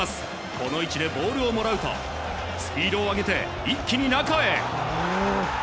この位置でボールをもらうとスピードを上げて一気に中へ。